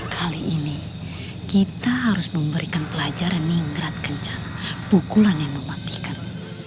kali ini kita harus memberikan pelajaran ningrat kencana pukulan yang mematikan